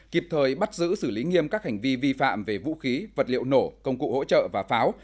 kịp thời bắt giữ xử lý nghiêm các hành vi vi phạm về vũ khí vật liệu nổ công cụ hỗ trợ và pháo